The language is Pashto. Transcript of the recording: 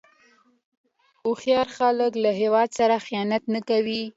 هوښیار خلک له هیواد سره خیانت نه کوي.